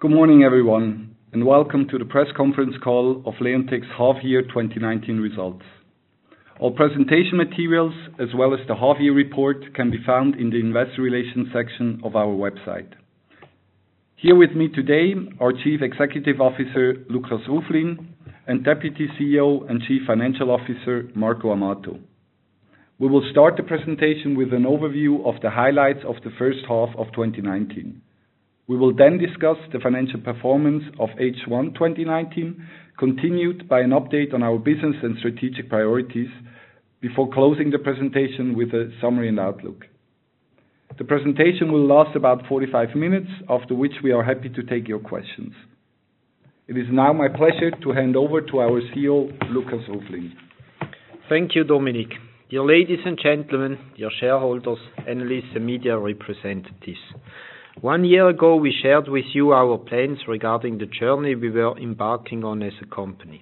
Good morning, everyone, welcome to the press conference call of Leonteq's half year 2019 results. All presentation materials, as well as the half year report, can be found in the investor relations section of our website. Here with me today are Chief Executive Officer, Lukas Ruflin, and Deputy CEO and Chief Financial Officer, Marco Amato. We will start the presentation with an overview of the highlights of the first half of 2019. We will then discuss the financial performance of H1 2019, continued by an update on our business and strategic priorities, before closing the presentation with a summary and outlook. The presentation will last about 45 minutes, after which we are happy to take your questions. It is now my pleasure to hand over to our CEO, Lukas Ruflin. Thank you, Dominic. Dear ladies and gentlemen, dear shareholders, analysts, and media representatives. One year ago, we shared with you our plans regarding the journey we were embarking on as a company.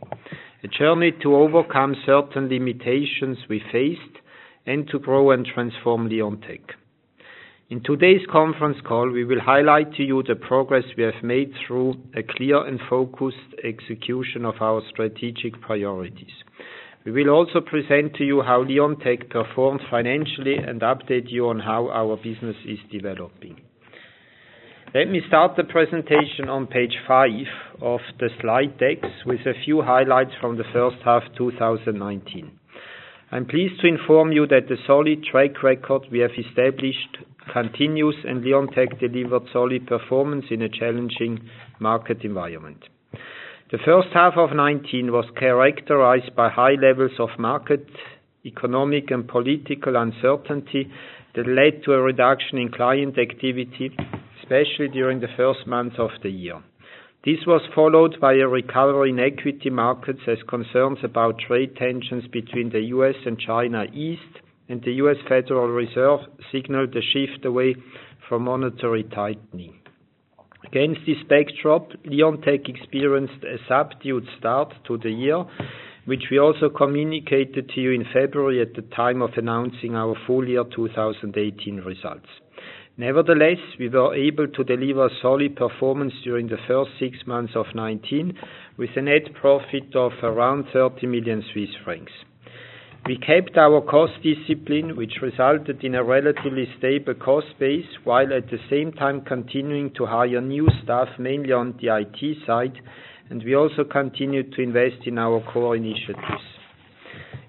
A journey to overcome certain limitations we faced and to grow and transform Leonteq. In today's conference call, we will highlight to you the progress we have made through a clear and focused execution of our strategic priorities. We will also present to you how Leonteq performs financially and update you on how our business is developing. Let me start the presentation on page five of the slide decks with a few highlights from the first half 2019. I'm pleased to inform you that the solid track record we have established continues, and Leonteq delivered solid performance in a challenging market environment. The first half of 2019 was characterized by high levels of market, economic, and political uncertainty that led to a reduction in client activity, especially during the first months of the year. This was followed by a recovery in equity markets as concerns about trade tensions between the U.S. and China eased, and the U.S. Federal Reserve signaled a shift away from monetary tightening. Against this backdrop, Leonteq experienced a subdued start to the year, which we also communicated to you in February at the time of announcing our full year 2018 results. Nevertheless, we were able to deliver solid performance during the first six months of 2019, with a net profit of around 30 million Swiss francs. We kept our cost discipline, which resulted in a relatively stable cost base, while at the same time continuing to hire new staff, mainly on the IT side, and we also continued to invest in our core initiatives.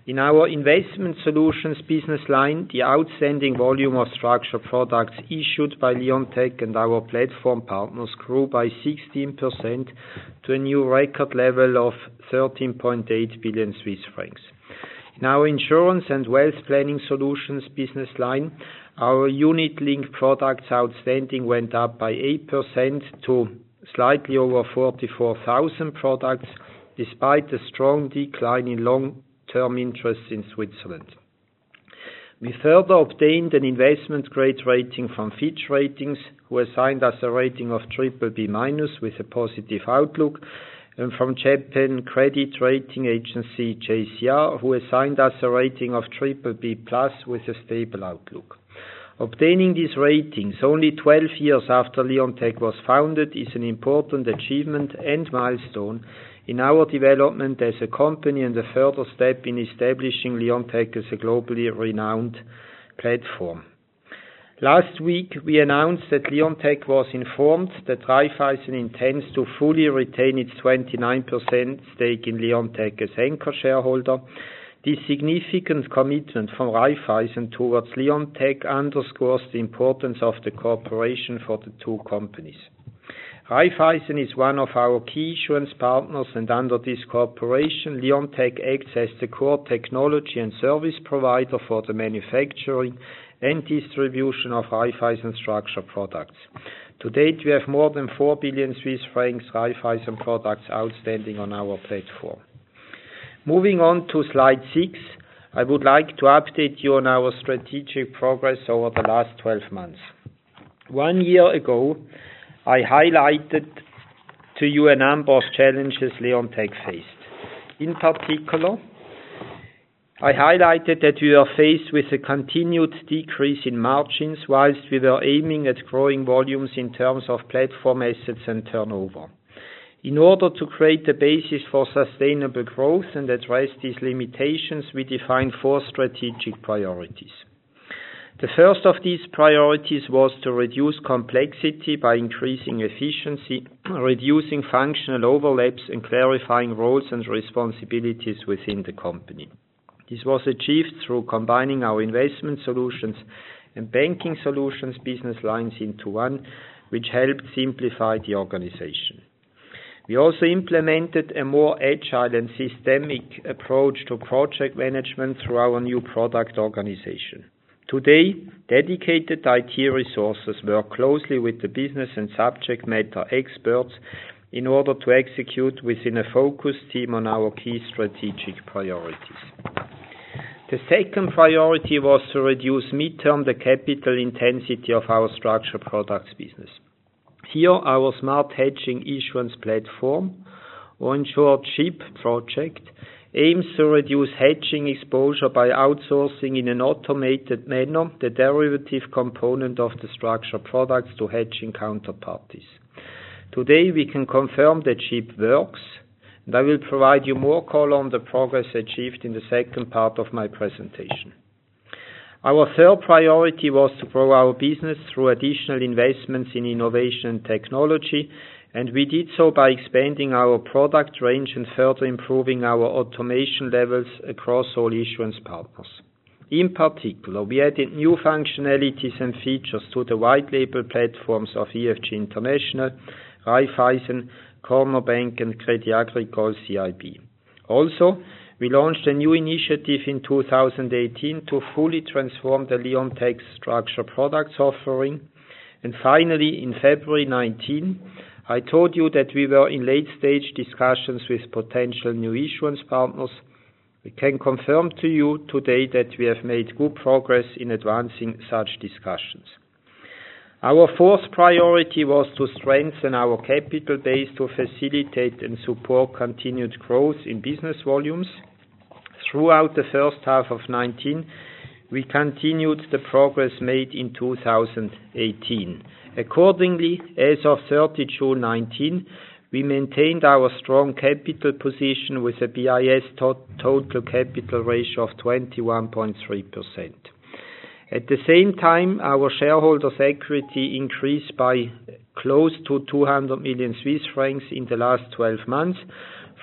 In our investment solutions business line, the outstanding volume of structured products issued by Leonteq and our platform partners grew by 16% to a new record level of 13.8 billion Swiss francs. In our insurance and wealth planning solutions business line, our unit-linked products outstanding went up by 8% to slightly over 44,000 products, despite a strong decline in long-term interest in Switzerland. We further obtained an investment-grade rating from Fitch Ratings, who assigned us a rating of BBB- with a positive outlook, and from Japan Credit Rating Agency, JCR, who assigned us a rating of BBB+ with a stable outlook. Obtaining these ratings only 12 years after Leonteq was founded is an important achievement and milestone in our development as a company and a further step in establishing Leonteq as a globally renowned platform. Last week, we announced that Leonteq was informed that Raiffeisen intends to fully retain its 29% stake in Leonteq as anchor shareholder. This significant commitment from Raiffeisen towards Leonteq underscores the importance of the cooperation for the two companies. Raiffeisen is one of our key issuance partners, and under this cooperation, Leonteq acts as the core technology and service provider for the manufacturing and distribution of Raiffeisen structured products. To date, we have more than 4 billion Swiss francs Raiffeisen products outstanding on our platform. Moving on to slide six, I would like to update you on our strategic progress over the last 12 months. One year ago, I highlighted to you a number of challenges Leonteq faced. In particular, I highlighted that we were faced with a continued decrease in margins while we were aiming at growing volumes in terms of platform assets and turnover. In order to create the basis for sustainable growth and address these limitations, we defined four strategic priorities. The first of these priorities was to reduce complexity by increasing efficiency, reducing functional overlaps, and clarifying roles and responsibilities within the company. This was achieved through combining our investment solutions and banking solutions business lines into one, which helped simplify the organization. We also implemented a more agile and systemic approach to project management through our new product organization. Today, dedicated IT resources work closely with the business and subject matter experts in order to execute within a focus team on our key strategic priorities. The second priority was to reduce midterm the capital intensity of our structured products business. Here, our Smart Hedging Issuance Platform or in short, SHIP project aims to reduce hedging exposure by outsourcing in an automated manner the derivative component of the structured products to hedging counterparties. Today, we can confirm that SHIP works, and I will provide you more color on the progress achieved in the second part of my presentation. Our third priority was to grow our business through additional investments in innovation and technology, and we did so by expanding our product range and further improving our automation levels across all issuance partners. In particular, we added new functionalities and features to the white label platforms of EFG International, Raiffeisen, Commerzbank, and Crédit Agricole CIB. Also, we launched a new initiative in 2018 to fully transform the Leonteq structured products offering. Finally, in February 2019, I told you that we were in late-stage discussions with potential new issuance partners. We can confirm to you today that we have made good progress in advancing such discussions. Our fourth priority was to strengthen our capital base to facilitate and support continued growth in business volumes. Throughout the first half of 2019, we continued the progress made in 2018. Accordingly, as of June 30, 2019, we maintained our strong capital position with a BIS total capital ratio of 21.3%. At the same time, our shareholders' equity increased by close to 200 million Swiss francs in the last 12 months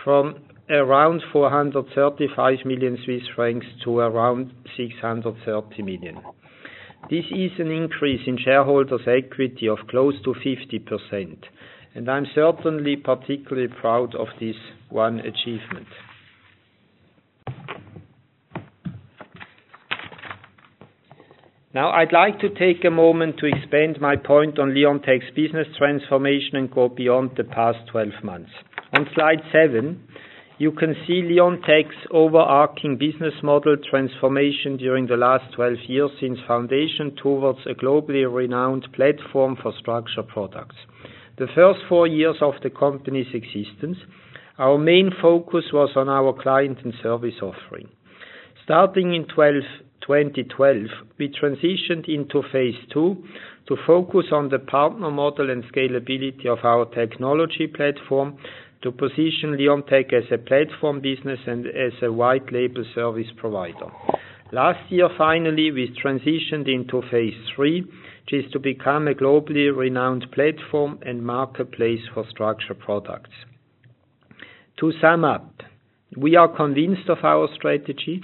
from around 435 million Swiss francs to around 630 million. This is an increase in shareholders' equity of close to 50%, and I'm certainly particularly proud of this one achievement. Now I'd like to take a moment to expand my point on Leonteq's business transformation and go beyond the past 12 months. On slide seven, you can see Leonteq's overarching business model transformation during the last 12 years since foundation towards a globally renowned platform for structured products. The first four years of the company's existence, our main focus was on our client and service offering. Starting in 2012, we transitioned into phase two to focus on the partner model and scalability of our technology platform to position Leonteq as a platform business and as a white label service provider. Last year, finally, we transitioned into phase three, which is to become a globally renowned platform and marketplace for structured products. To sum up, we are convinced of our strategy.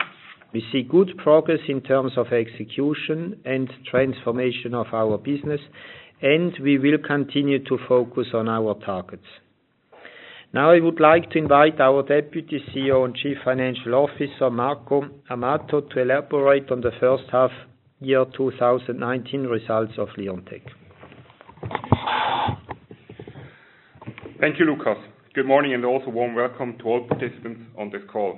We see good progress in terms of execution and transformation of our business, and we will continue to focus on our targets. Now I would like to invite our Deputy CEO and Chief Financial Officer, Marco Amato, to elaborate on the first half year 2019 results of Leonteq. Thank you, Lukas. Good morning and also warm welcome to all participants on this call.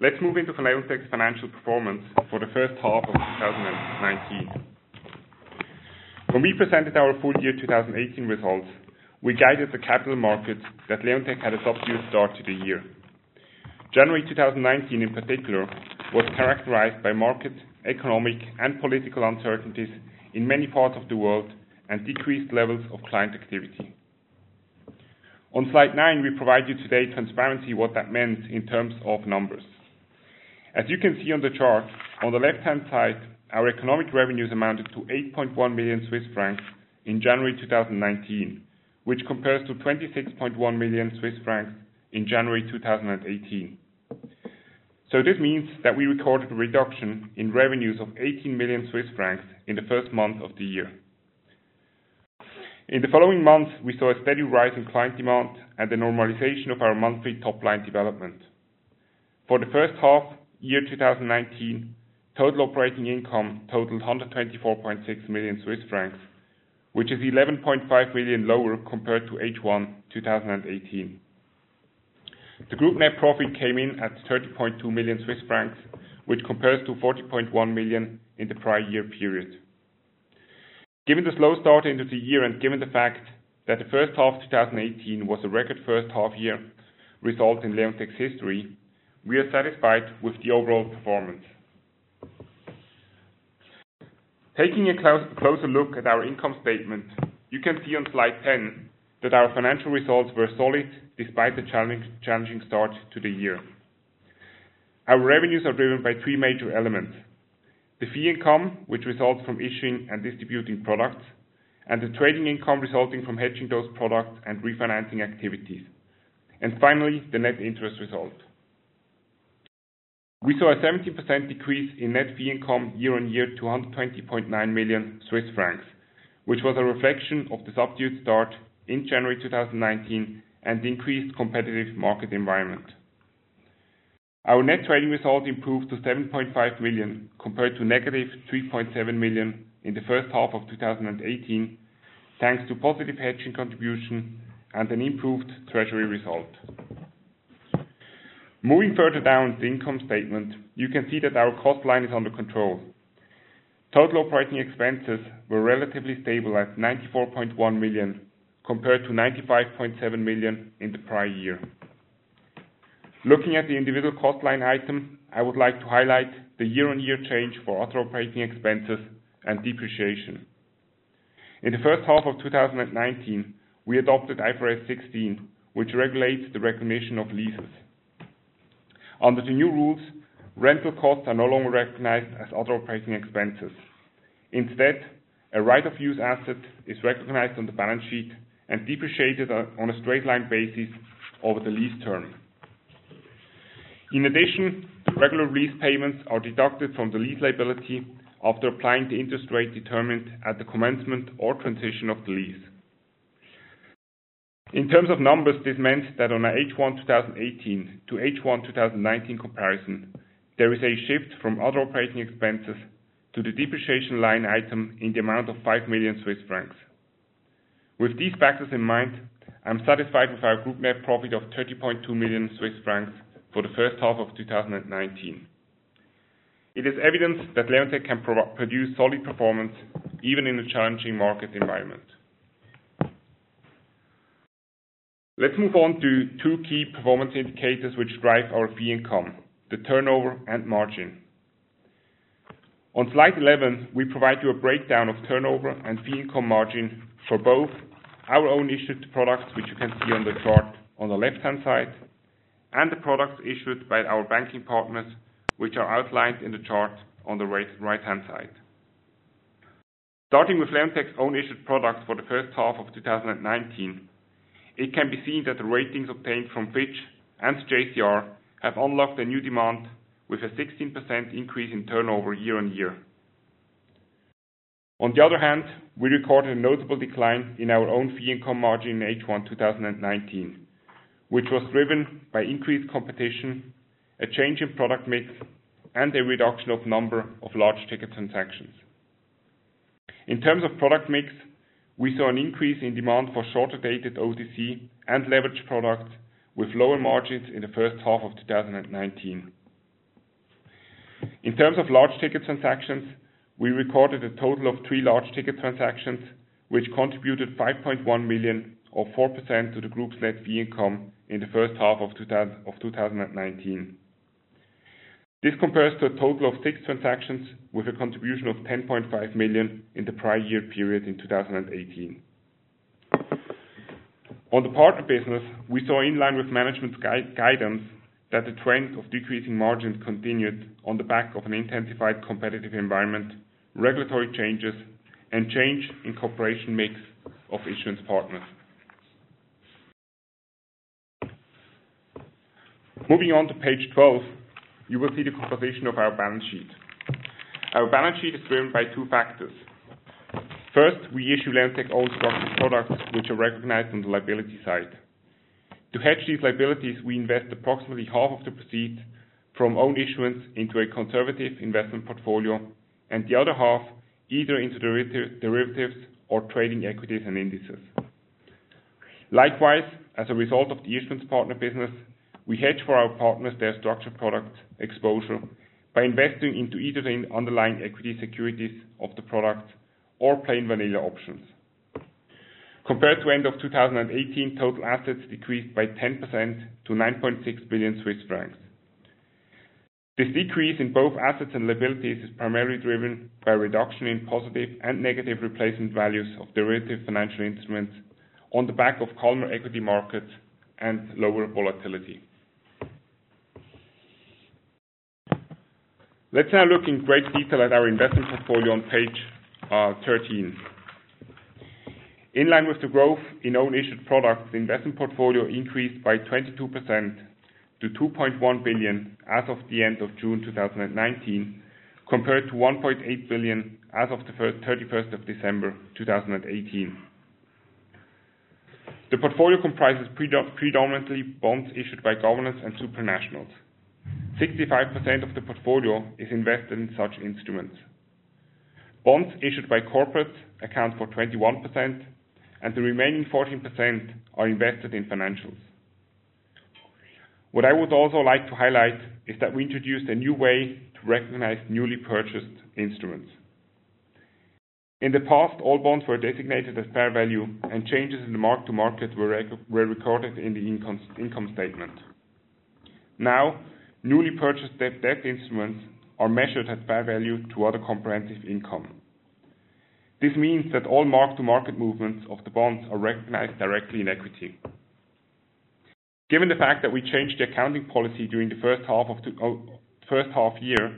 Let's move into Leonteq's financial performance for the first half of 2019. When we presented our full-year 2018 results, we guided the capital markets that Leonteq had a subdued start to the year. January 2019, in particular, was characterized by market, economic, and political uncertainties in many parts of the world and decreased levels of client activity. On slide nine, we provide you today transparency what that meant in terms of numbers. As you can see on the chart, on the left-hand side, our economic revenues amounted to 8.1 million Swiss francs in January 2019, which compares to 26.1 million Swiss francs in January 2018. This means that we recorded a reduction in revenues of 18 million Swiss francs in the first month of the year. In the following months, we saw a steady rise in client demand and the normalization of our monthly top-line development. For the first half year 2019, total operating income totaled 124.6 million Swiss francs, which is 11.5 million lower compared to H1 2018. The group net profit came in at 30.2 million Swiss francs, which compares to 40.1 million in the prior year period. Given the slow start into the year and given the fact that the first half 2018 was a record first half year result in Leonteq's history, we are satisfied with the overall performance. Taking a closer look at our income statement, you can see on slide 10 that our financial results were solid despite the challenging start to the year. Our revenues are driven by three major elements. The fee income, which results from issuing and distributing products, and the trading income resulting from hedging those products and refinancing activities. Finally, the net interest result. We saw a 17% decrease in net fee income year-on-year to 120.9 million Swiss francs, which was a reflection of the subdued start in January 2019 and the increased competitive market environment. Our net trading result improved to 7.5 million compared to negative 3.7 million in the first half of 2018, thanks to positive hedging contribution and an improved treasury result. Moving further down the income statement, you can see that our cost line is under control. Total operating expenses were relatively stable at 94.1 million, compared to 95.7 million in the prior year. Looking at the individual cost line item, I would like to highlight the year-on-year change for other operating expenses and depreciation. In the first half of 2019, we adopted IFRS 16, which regulates the recognition of leases. Under the new rules, rental costs are no longer recognized as other operating expenses. Instead, a right of use asset is recognized on the balance sheet and depreciated on a straight line basis over the lease term. In addition, the regular lease payments are deducted from the lease liability after applying the interest rate determined at the commencement or transition of the lease. In terms of numbers, this meant that on a H1 2018 to H1 2019 comparison, there is a shift from other operating expenses to the depreciation line item in the amount of 5 million Swiss francs. With these factors in mind, I'm satisfied with our group net profit of 30.2 million Swiss francs for the first half of 2019. It is evident that Leonteq can produce solid performance even in a challenging market environment. Let's move on to two key performance indicators which drive our fee income, the turnover, and margin. On slide 11, we provide you a breakdown of turnover and fee income margin for both our own issued products, which you can see on the chart on the left-hand side, and the products issued by our banking partners, which are outlined in the chart on the right-hand side. Starting with Leonteq's own issued products for the first half of 2019, it can be seen that the ratings obtained from Fitch and JCR have unlocked a new demand with a 16% increase in turnover year-on-year. On the other hand, we recorded a notable decline in our own fee income margin in H1 2019, which was driven by increased competition, a change in product mix, and a reduction of number of large ticket transactions. In terms of product mix, we saw an increase in demand for shorter-dated OTC and leveraged products with lower margins in the first half of 2019. In terms of large ticket transactions, we recorded a total of three large ticket transactions, which contributed 5.1 million or 4% to the group's net fee income in the first half of 2019. This compares to a total of six transactions with a contribution of 10.5 million in the prior year period in 2018. On the partner business, we saw in line with management's guidance that the trend of decreasing margins continued on the back of an intensified competitive environment, regulatory changes, and change in cooperation mix of issuance partners. Moving on to page 12, you will see the composition of our balance sheet. Our balance sheet is driven by two factors. First, we issue Leonteq all structured products which are recognized on the liability side. To hedge these liabilities, we invest approximately half of the proceeds from own issuance into a conservative investment portfolio and the other half either into derivatives or trading equities and indices. Likewise, as a result of the issuance partner business, we hedge for our partners their structured product exposure by investing into either the underlying equity securities of the product or plain vanilla options. Compared to end of 2018, total assets decreased by 10% to 9.6 billion Swiss francs. This decrease in both assets and liabilities is primarily driven by a reduction in positive and negative replacement values of derivative financial instruments on the back of calmer equity markets and lower volatility. Let's now look in great detail at our investment portfolio on page 13. In line with the growth in own issued products, the investment portfolio increased by 22% to 2.1 billion as of the end of June 2019, compared to 1.8 billion as of the 31st of December 2018. The portfolio comprises predominantly bonds issued by governments and supernationals. 65% of the portfolio is invested in such instruments. Bonds issued by corporates account for 21%, and the remaining 14% are invested in financials. What I would also like to highlight is that we introduced a new way to recognize newly purchased instruments. In the past, all bonds were designated as fair value, and changes in the mark-to-market were recorded in the income statement. Now, newly purchased debt instruments are measured at fair value through other comprehensive income. This means that all mark-to-market movements of the bonds are recognized directly in equity. Given the fact that we changed the accounting policy during the first half year,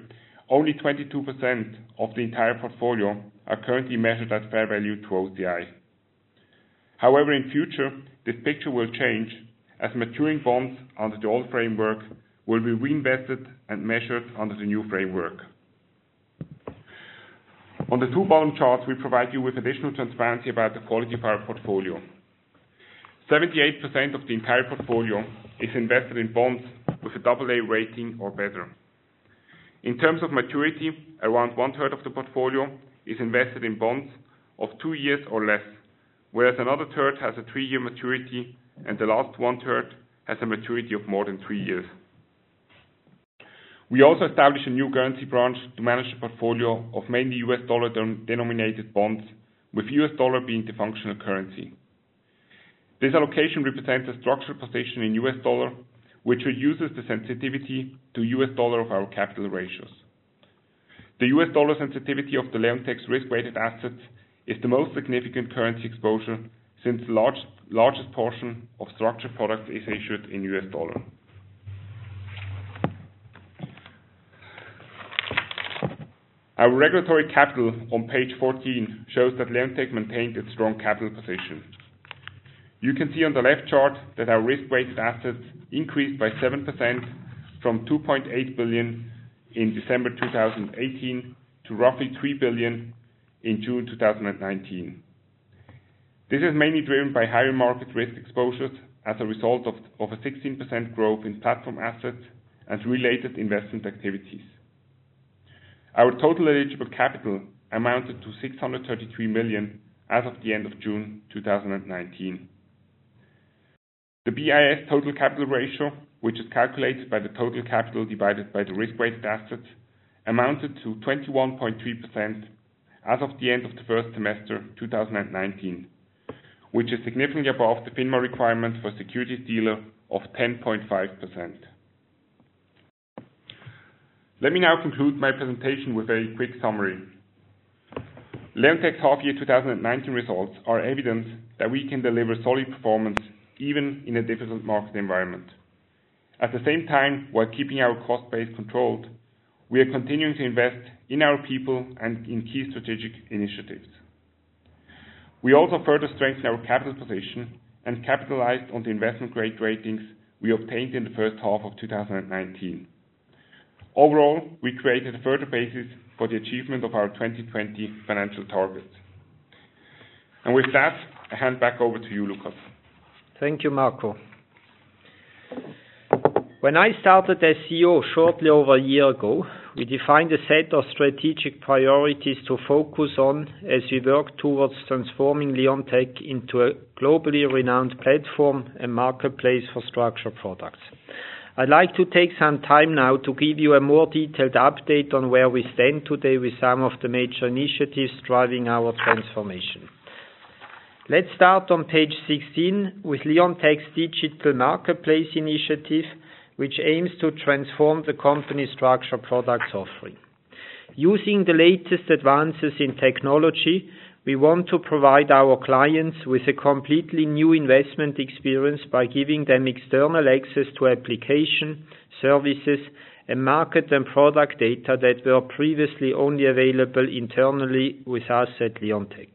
only 22% of the entire portfolio are currently measured at fair value through OCI. In future, this picture will change as maturing bonds under the old framework will be reinvested and measured under the new framework. On the two bottom charts, we provide you with additional transparency about the quality of our portfolio. 78% of the entire portfolio is invested in bonds with an AA rating or better. In terms of maturity, around one third of the portfolio is invested in bonds of two years or less, whereas another third has a three-year maturity, and the last one third has a maturity of more than three years. We also established a new currency branch to manage a portfolio of mainly U.S. dollar-denominated bonds, with U.S. dollar being the functional currency. This allocation represents a structural position in U.S. dollar, which reduces the sensitivity to U.S. dollar of our capital ratios. The U.S. dollar sensitivity of Leonteq's risk-weighted assets is the most significant currency exposure since the largest portion of structured products is issued in U.S. dollar. Our regulatory capital on page 14 shows that Leonteq maintained its strong capital position. You can see on the left chart that our risk-weighted assets increased by 7% from 2.8 billion in December 2018 to roughly 3 billion in June 2019. This is mainly driven by higher market risk exposures as a result of a 16% growth in platform assets and related investment activities. Our total eligible capital amounted to 633 million as of the end of June 2019. The BIS total capital ratio, which is calculated by the total capital divided by the risk-weighted assets, amounted to 21.3% as of the end of the first semester 2019, which is significantly above the FINMA requirement for securities dealer of 10.5%. Let me now conclude my presentation with a quick summary. Leonteq's half year 2019 results are evidence that we can deliver solid performance even in a difficult market environment. At the same time, while keeping our cost base controlled, we are continuing to invest in our people and in key strategic initiatives. We also further strengthened our capital position and capitalized on the investment-grade ratings we obtained in the first half of 2019. Overall, we created a further basis for the achievement of our 2020 financial targets. With that, I hand back over to you, Lukas. Thank you, Marco. When I started as CEO shortly over a year ago, we defined a set of strategic priorities to focus on as we work towards transforming Leonteq into a globally renowned platform and marketplace for structured products. I'd like to take some time now to give you a more detailed update on where we stand today with some of the major initiatives driving our transformation. Let's start on page 16 with Leonteq's digital marketplace initiative, which aims to transform the company structured products offering. Using the latest advances in technology, we want to provide our clients with a completely new investment experience by giving them external access to application, services, and market and product data that were previously only available internally with us at Leonteq.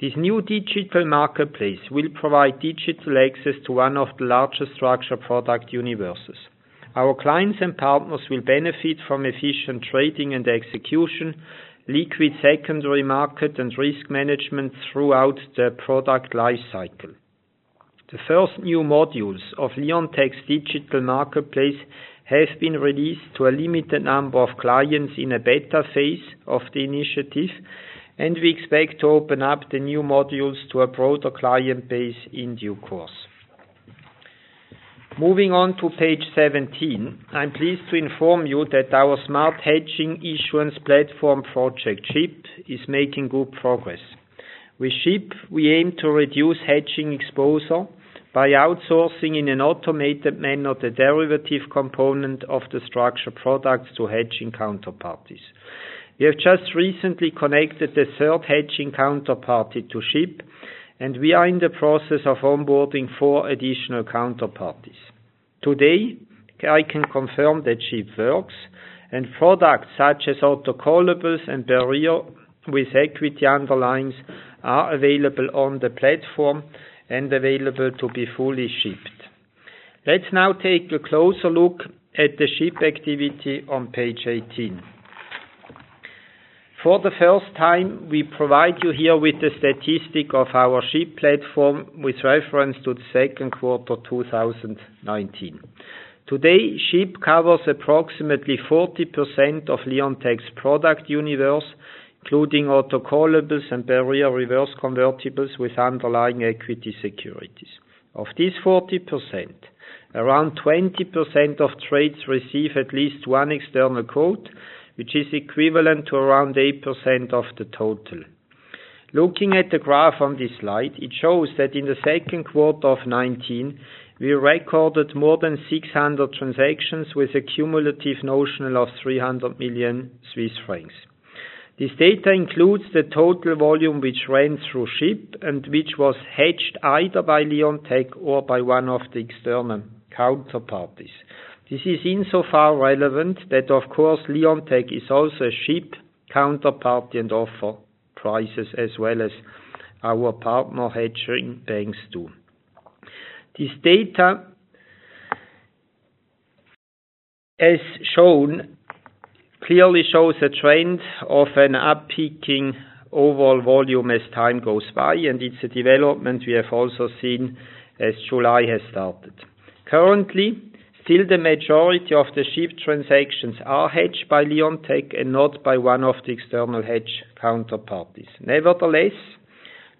This new digital marketplace will provide digital access to one of the largest structured product universes. Our clients and partners will benefit from efficient trading and execution, liquid secondary market, and risk management throughout the product life cycle. The first new modules of Leonteq's digital marketplace have been released to a limited number of clients in a beta phase of the initiative, and we expect to open up the new modules to a broader client base in due course. Moving on to page 17, I'm pleased to inform you that our Smart Hedging Issuance Platform project, SHIP, is making good progress. With SHIP, we aim to reduce hedging exposure by outsourcing in an automated manner the derivative component of the structured products to hedging counterparties. We have just recently connected the third hedging counterparty to SHIP, and we are in the process of onboarding four additional counterparties. Today, I can confirm that SHIP works, and products such as autocallables and barrier with equity underlyings are available on the platform and available to be fully SHIPed. Let's now take a closer look at the SHIP activity on page 18. For the first time, we provide you here with the statistic of our SHIP platform with reference to the second quarter 2019. Today, SHIP covers approximately 40% of Leonteq's product universe, including autocallables and barrier reverse convertibles with underlying equity securities. Of this 40%, around 20% of trades receive at least one external quote, which is equivalent to around 8% of the total. Looking at the graph on this slide, it shows that in the second quarter of 2019, we recorded more than 600 transactions with a cumulative notional of 300 million Swiss francs. This data includes the total volume which ran through SHIP and which was hedged either by Leonteq or by one of the external counterparties. This is insofar relevant that, of course, Leonteq is also a SHIP counterparty and offer prices as well as our partner hedging banks do. This data as shown clearly shows a trend of an up peaking overall volume as time goes by, and it's a development we have also seen as July has started. Currently, still the majority of the SHIP transactions are hedged by Leonteq and not by one of the external hedge counterparties.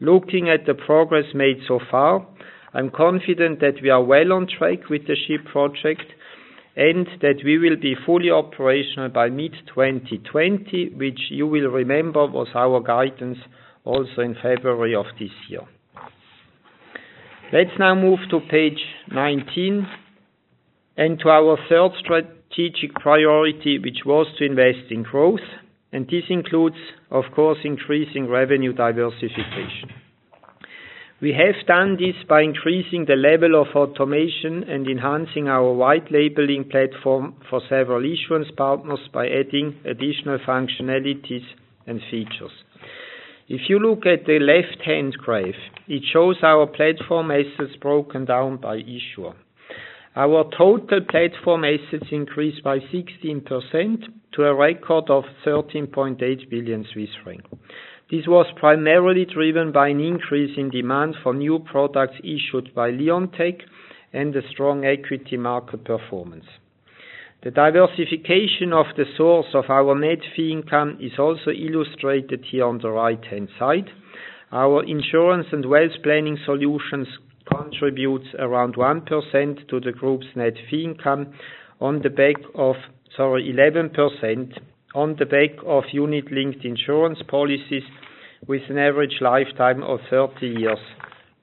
Looking at the progress made so far, I'm confident that we are well on track with the SHIP project and that we will be fully operational by mid-2020, which you will remember was our guidance also in February of this year. Let's now move to page 19 and to our third strategic priority, which was to invest in growth. This includes, of course, increasing revenue diversification. We have done this by increasing the level of automation and enhancing our white label platform for several issuance partners by adding additional functionalities and features. If you look at the left-hand graph, it shows our platform assets broken down by issuer. Our total platform assets increased by 16% to a record of 13.8 billion Swiss francs. This was primarily driven by an increase in demand for new products issued by Leonteq and the strong equity market performance. The diversification of the source of our net fee income is also illustrated here on the right-hand side. Our insurance and wealth planning solutions contributes around 1% to the group's net fee income, on the back of 11% on the back of unit-linked insurance policies with an average lifetime of 30 years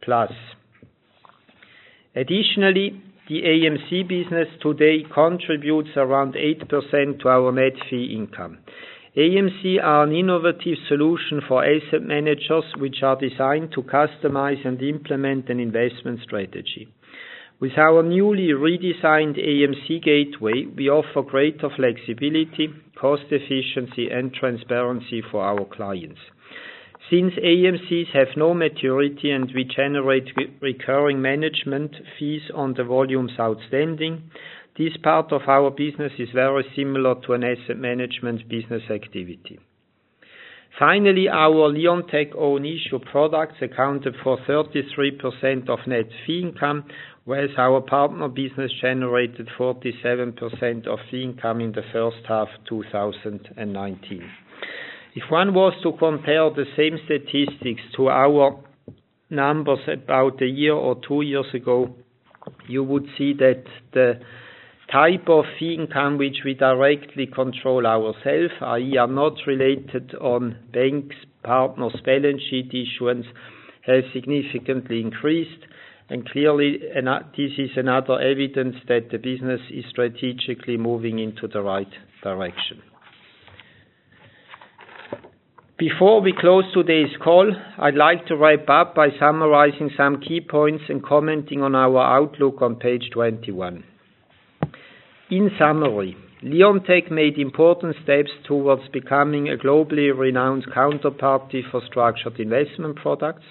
plus. Additionally, the AMC business today contributes around 8% to our net fee income. AMC are an innovative solution for asset managers, which are designed to customize and implement an investment strategy. With our newly redesigned AMC Gateway, we offer greater flexibility, cost efficiency, and transparency for our clients. Since AMCs have no maturity and we generate recurring management fees on the volumes outstanding, this part of our business is very similar to an asset management business activity. Finally, our Leonteq own issue products accounted for 33% of net fee income, whereas our partner business generated 47% of fee income in the first half 2019. If one was to compare the same statistics to our numbers about a year or 2 years ago, you would see that the type of fee income which we directly control ourselves, i.e., are not related on banks, partners, balance sheet issuance, has significantly increased. Clearly, this is another evidence that the business is strategically moving into the right direction. Before we close today's call, I'd like to wrap up by summarizing some key points and commenting on our outlook on page 21. In summary, Leonteq made important steps towards becoming a globally renowned counterparty for structured investment products.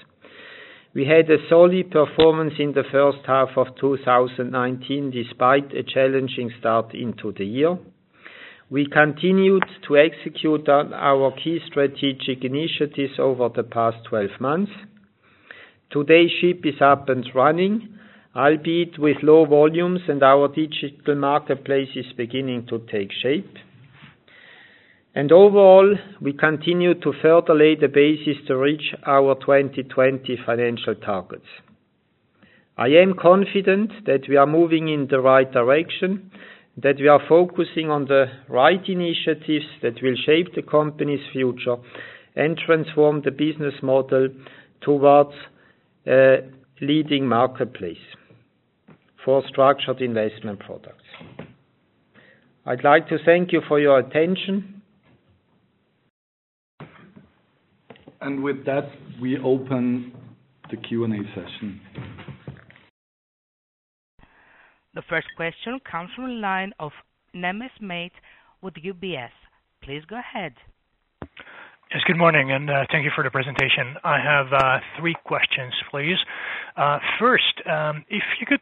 We had a solid performance in the first half of 2019, despite a challenging start into the year. We continued to execute on our key strategic initiatives over the past 12 months. Today, SHIP is up and running, albeit with low volumes. Our digital marketplace is beginning to take shape. Overall, we continue to further lay the basis to reach our 2020 financial targets. I am confident that we are moving in the right direction, that we are focusing on the right initiatives that will shape the company's future and transform the business model towards a leading marketplace for structured investment products. I'd like to thank you for your attention. With that, we open the Q&A session. The first question comes from the line of Mate Nemes with UBS. Please go ahead. Yes, good morning. Thank you for the presentation. I have three questions, please. First, if you could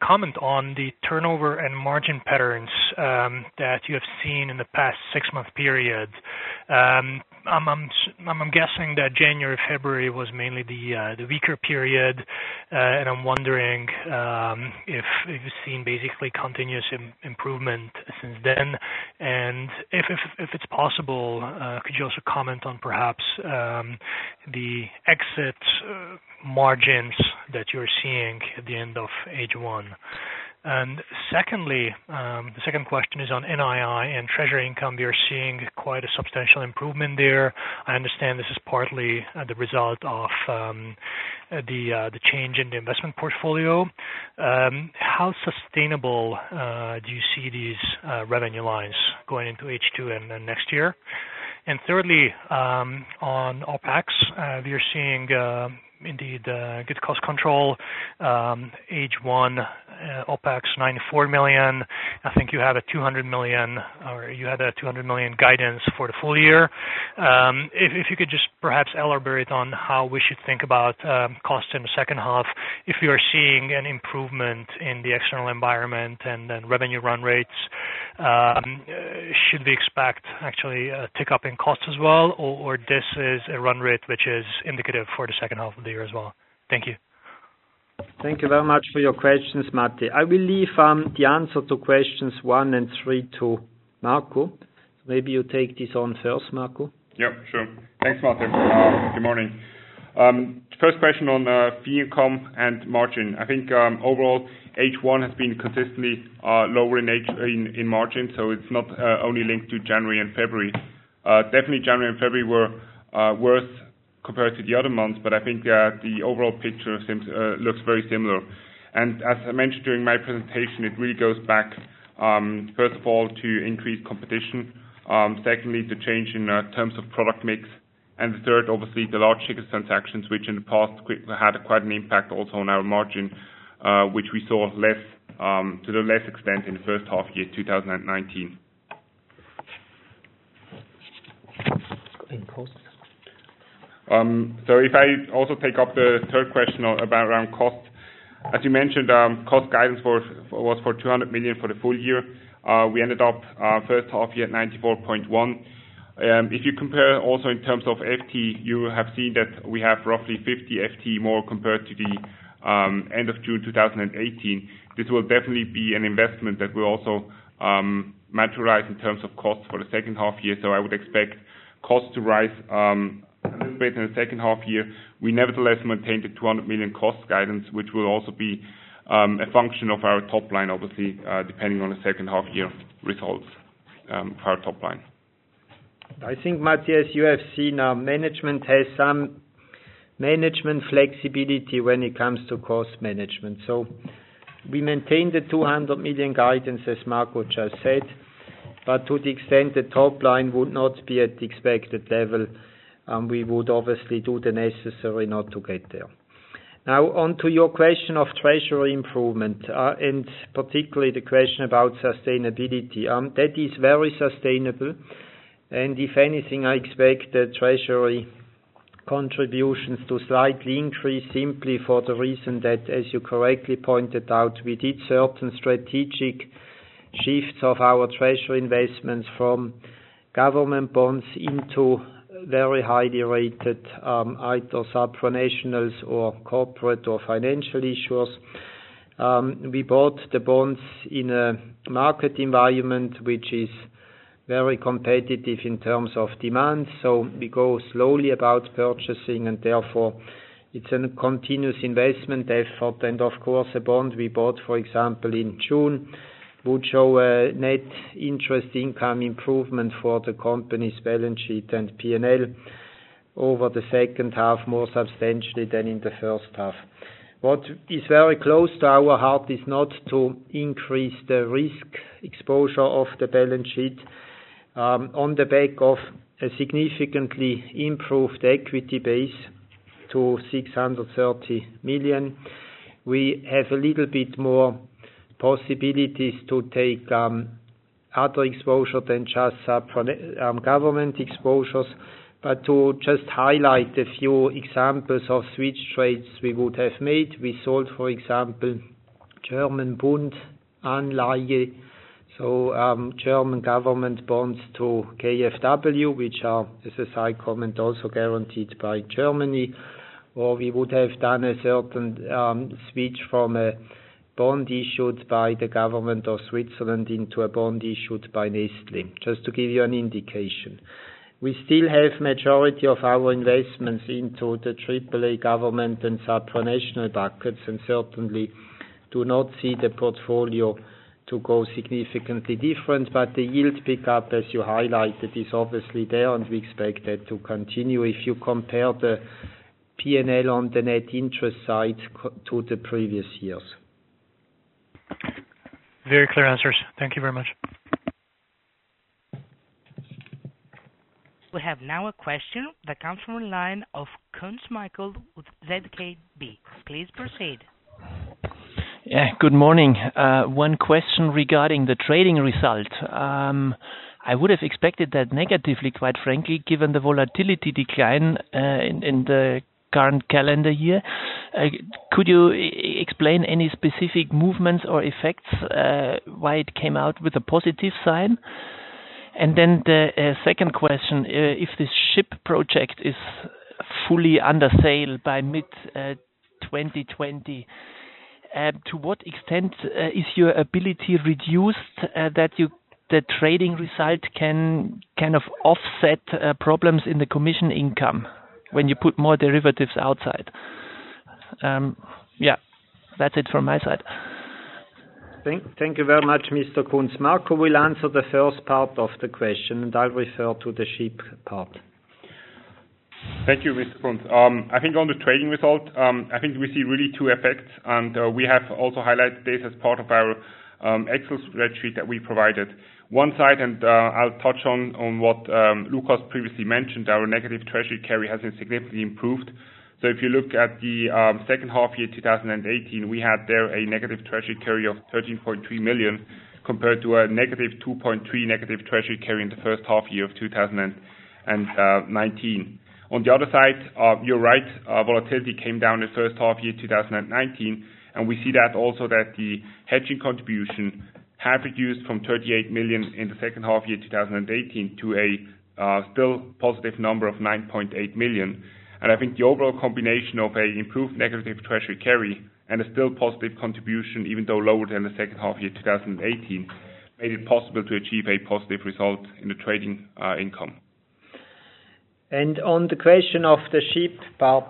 comment on the turnover and margin patterns that you have seen in the past six-month period. I'm guessing that January, February was mainly the weaker period. I'm wondering if you've seen basically continuous improvement since then. If it's possible, could you also comment on perhaps the exit margins that you're seeing at the end of H1? Secondly, the second question is on NII and treasury income. We are seeing quite a substantial improvement there. I understand this is partly the result of the change in the investment portfolio. How sustainable do you see these revenue lines going into H2 and then next year? Thirdly, on OpEx, we are seeing indeed good cost control. H1 OpEx 94 million. I think you had a 200 million, or you had a 200 million guidance for the full year. If you could just perhaps elaborate on how we should think about cost in the second half if you are seeing an improvement in the external environment revenue run rates? Should we expect actually a tick-up in cost as well, or this is a run rate which is indicative for the second half of the year as well? Thank you. Thank you very much for your questions, Mate. I will leave the answer to questions one and three to Marco. Maybe you take this on first, Marco. Sure. Thanks, Mate. Good morning. First question on fee income and margin. I think, overall, H1 has been consistently lower in margin, so it's not only linked to January and February. Definitely January and February were worse compared to the other months, but I think that the overall picture looks very similar. As I mentioned during my presentation, it really goes back, first of all, to increased competition, secondly, the change in terms of product mix, and the third, obviously, the large tickets transactions, which in the past had quite an impact also on our margin, which we saw to the less extent in the first half year 2019. Costs. If I also take up the third question around cost. As you mentioned, cost guidance was for 200 million for the full year. We ended up first half year at 94.1. If you compare also in terms of FTE, you have seen that we have roughly 50 FTE more compared to the end of June 2018. This will definitely be an investment that will also materialize in terms of costs for the second half year. I would expect costs to rise a little bit in the second half year. We nevertheless maintain the 200 million cost guidance, which will also be a function of our top line, obviously, depending on the second half year results for our top line. I think Matthias, you have seen our management has some management flexibility when it comes to cost management. We maintain the 200 million guidances Marco just said, but to the extent the top line would not be at the expected level, we would obviously do the necessary in order to get there. On to your question of treasury improvement, and particularly the question about sustainability. That is very sustainable, and if anything, I expect the treasury contributions to slightly increase simply for the reason that, as you correctly pointed out, we did certain strategic shifts of our treasury investments from government bonds into very highly rated, either supranationals or corporate or financial issuers. We go slowly about purchasing, and therefore, it's a continuous investment effort. A bond we bought, for example, in June, would show a net interest income improvement for the company's balance sheet and P&L over the second half, more substantially than in the first half. What is very close to our heart is not to increase the risk exposure of the balance sheet, on the back of a significantly improved equity base to 630 million. We have a little bit more possibilities to take other exposure than just government exposures. Highlight a few examples of switch trades we would have made. We sold, for example, German Bund Anleihe. German government bonds to KfW, which are, as a side comment, also guaranteed by Germany. We would have done a certain switch from a bond issued by the government of Switzerland into a bond issued by Nestlé, just to give you an indication. We still have majority of our investments into the AAA government and supranational buckets, and certainly do not see the portfolio to go significantly different. The yield pickup, as you highlighted, is obviously there, and we expect that to continue if you compare the P&L on the net interest side to the previous years. Very clear answers. Thank you very much. We have now a question that comes from the line of Michael Kunz with ZKB. Please proceed. Yeah. Good morning. One question regarding the trading result. I would have expected that negatively, quite frankly, given the volatility decline in the current calendar year. Could you explain any specific movements or effects, why it came out with a positive sign? The second question, if this SHIP project is fully under sail by mid-2020, to what extent is your ability reduced that the trading result can kind of offset problems in the commission income when you put more derivatives outside? Yeah, that's it from my side. Thank you very much, Mr. Kunz. Marco will answer the first part of the question, and I'll refer to the SHIP part. Thank you, Mr. Kunz. I think on the trading result, I think we see really two effects, and we have also highlighted this as part of our Excel spreadsheet that we provided. One side, and I'll touch on what Lukas previously mentioned, our negative treasury carry has been significantly improved. If you look at the second half-year 2018, we had there a negative treasury carry of 13.3 million compared to a negative 2.3 million negative treasury carry in the first half-year of 2019. On the other side, you're right, volatility came down the first half year, 2019, and we see that also that the hedging contribution have reduced from 38 million in the second half year, 2018, to a still positive number of 9.8 million. I think the overall combination of a improved negative treasury carry and a still positive contribution, even though lower than the second half year 2018, made it possible to achieve a positive result in the trading income. On the question of the SHIP part,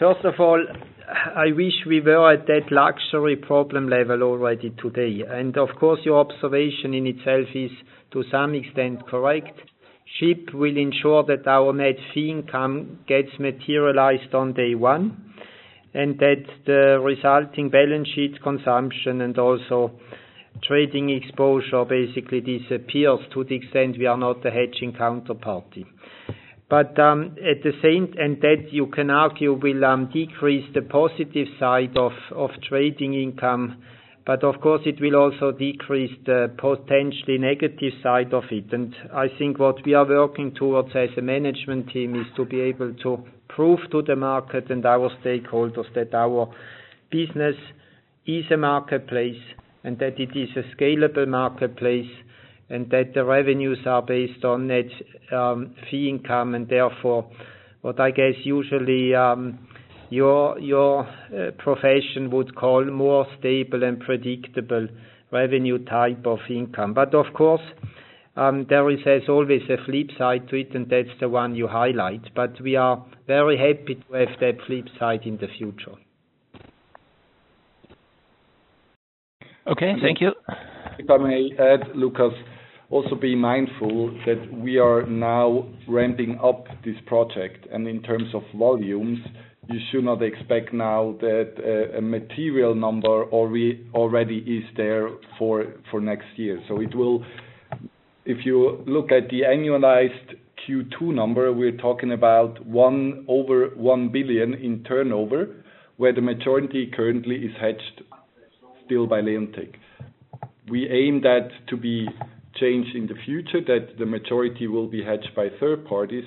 first of all, I wish we were at that luxury problem level already today. Of course, your observation in itself is to some extent correct. SHIP will ensure that our net fee income gets materialized on day one, and that the resulting balance sheet consumption and also trading exposure basically disappears to the extent we are not the hedging counterparty. That you can argue will decrease the positive side of trading income, but of course it will also decrease the potentially negative side of it. I think what we are working towards as a management team is to be able to prove to the market and our stakeholders that our business is a marketplace, and that it is a scalable marketplace, and that the revenues are based on net fee income, and therefore, what I guess usually your profession would call more stable and predictable revenue type of income. Of course, there is always a flip side to it, and that's the one you highlight. We are very happy to have that flip side in the future. Okay, thank you. If I may add, Lukas, also be mindful that we are now ramping up this project. In terms of volumes, you should not expect now that a material number already is there for next year. If you look at the annualized Q2 number, we're talking about over 1 billion in turnover, where the majority currently is hedged still by Leonteq. We aim that to be changed in the future, that the majority will be hedged by third parties.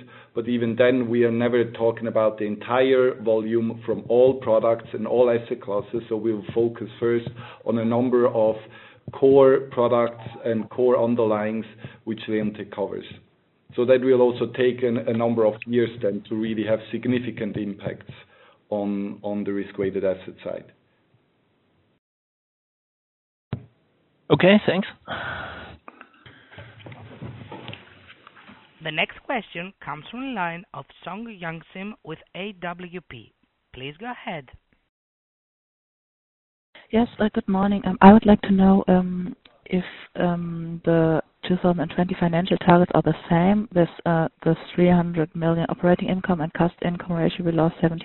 Even then, we are never talking about the entire volume from all products and all asset classes, so we'll focus first on a number of core products and core underlyings which Leonteq covers. That will also take a number of years then to really have significant impacts on the risk-weighted asset side. Okay, thanks. The next question comes from the line of Young-Sim Song with AWP. Please go ahead. Yes, good morning. I would like to know if the 2020 financial targets are the same with the 300 million operating income and cost-income ratio below 70%.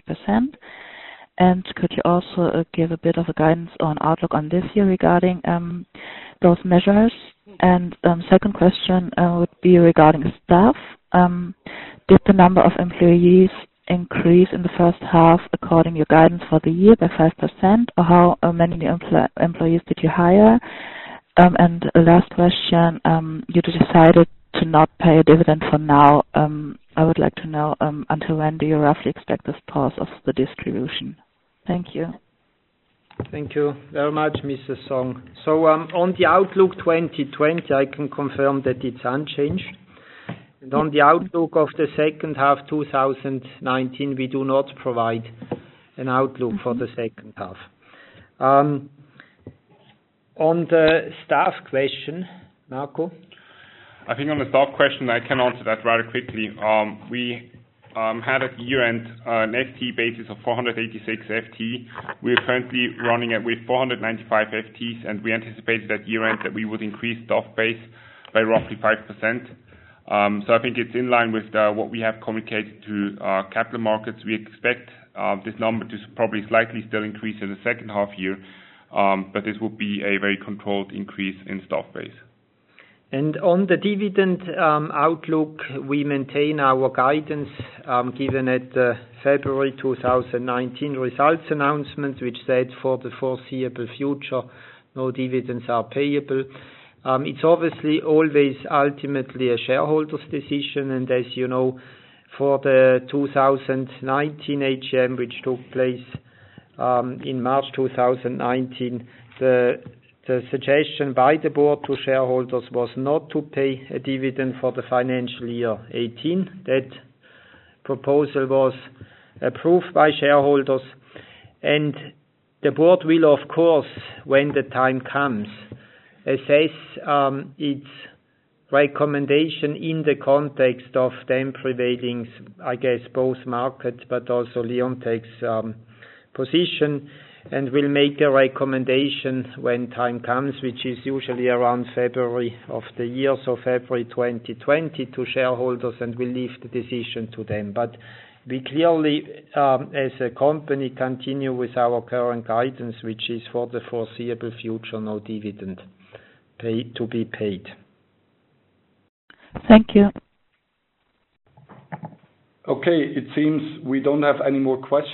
Could you also give a bit of a guidance on outlook on this year regarding those measures? Second question would be regarding staff. Did the number of employees increase in the first half according your guidance for the year by 5%? How many employees did you hire? Last question, you decided to not pay a dividend for now. I would like to know, until when do you roughly expect this pause of the distribution? Thank you. Thank you very much, Mrs. Song. On the outlook 2020, I can confirm that it's unchanged. On the outlook of the second half 2019, we do not provide an outlook for the second half. On the staff question, Marco? I think on the staff question, I can answer that rather quickly. We had at year-end an FTE basis of 486 FTE. We are currently running it with 495 FTEs. We anticipate at year-end that we would increase staff base by roughly 5%. I think it's in line with what we have communicated to capital markets. We expect this number to probably slightly still increase in the second half year. This will be a very controlled increase in staff base. On the dividend outlook, we maintain our guidance given at the February 2019 results announcement, which said for the foreseeable future, no dividends are payable. It's obviously always ultimately a shareholder's decision. As you know, for the 2019 AGM, which took place in March 2019, the suggestion by the board to shareholders was not to pay a dividend for the financial year 2018. That proposal was approved by shareholders. The board will, of course, when the time comes, assess its recommendation in the context of then prevailing, I guess, both markets, but also Leonteq's position, and will make a recommendation when time comes, which is usually around February of the year, so February 2020 to shareholders, and we leave the decision to them. We clearly, as a company, continue with our current guidance, which is for the foreseeable future, no dividend to be paid. Thank you. Okay, it seems we don't have any more questions.